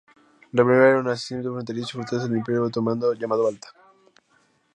La primera era un asentamiento fronterizo y fortaleza del Imperio otomano llamado Balta.